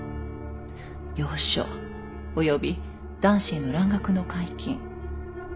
洋書および男子への蘭学の解禁採薬使。